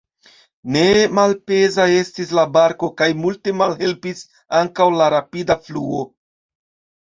Ne malpeza estis la barko kaj multe malhelpis ankaŭ la rapida fluo.